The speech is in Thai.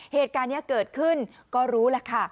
เหตุการณ์นี้เกิดขึ้นก็รู้แหละค่ะ